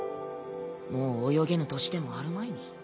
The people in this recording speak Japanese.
もう泳げぬ年でもあるまいに。